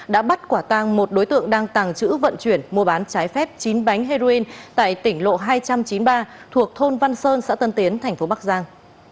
đã bắt quả tang một đối tượng đang tàng trữ vận chuyển mua bán trái phép chín bánh heroin tại tỉnh lộ hai trăm chín mươi ba thuộc thôn văn sơn xã tân tiến tp bắc giang